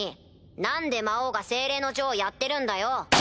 何で魔王が精霊の女王やってるんだよ。